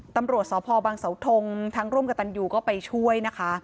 ตำรวจสพบังเสาทงทั้งร่วมกับตันยูก็ไปช่วยนะคะ